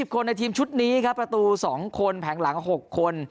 คนในทีมชุดนี้ครับประตู๒คนแผงหลัง๖คน